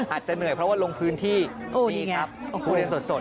อาจจะเหนื่อยเพราะว่าลงพื้นที่นี่ครับทุเรียนสด